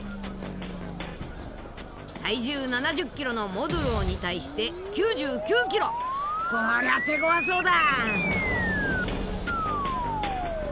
体重７０ｋｇのモドゥローに対して９９ｋｇ！こりゃ手ごわそうだ。